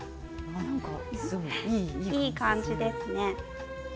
いい感じですね。